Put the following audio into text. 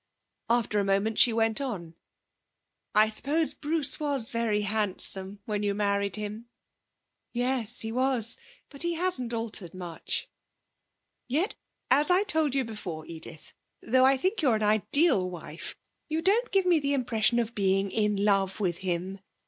After a moment she went on: 'I suppose Bruce was very handsome when you married him?' 'Yes, he was. But he hasn't altered much.' 'Yet, as I told you before, Edith, though I think you an ideal wife, you don't give me the impression of being in love with him.